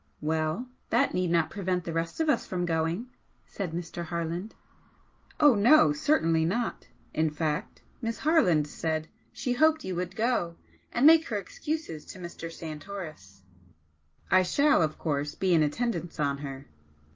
"Well, that need not prevent the rest of us from going." said Mr. Harland. "Oh no, certainly not! In fact, Miss Harland said she hoped you would go, and make her excuses to Mr. Santoris. I shall, of course, be in attendance on her."